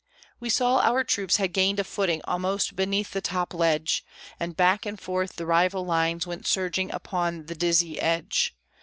We saw our troops had gained a footing almost beneath the topmost ledge, And back and forth the rival lines went surging upon the dizzy edge.